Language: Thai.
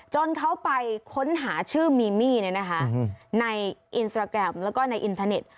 จนเขาไปค้นหาชื่อมีมี่ในอินสตราแกรมแล้วก็ในอินเทอร์เน็ต